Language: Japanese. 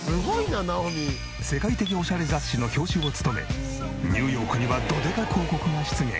世界的オシャレ雑誌の表紙を務めニューヨークにはドデカ広告が出現。